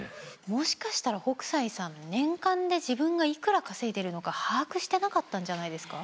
もしかしたら北斎さん年間で自分がいくら稼いでいるのか把握してなかったんじゃないですか？